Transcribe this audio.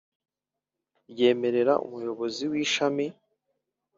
Ryemerera umuyobozi w ishami